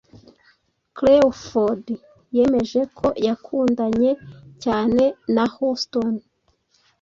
Crawford yemeje ko yakundanye cyane na Houston